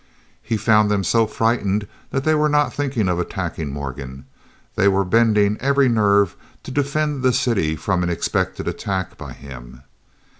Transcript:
He found them so frightened that they were not thinking of attacking Morgan; they were bending every nerve to defend the city from an expected attack by him.